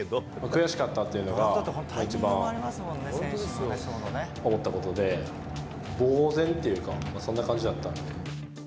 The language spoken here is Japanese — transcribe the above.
悔しかったっていうのが、一番思ったことで、ぼう然というか、そんな感じだったんです。